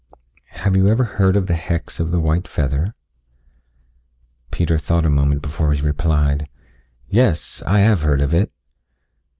"Have you ever heard of the hex of the white feather?" Peter thought a moment before he replied. "Yes. I have heard of it."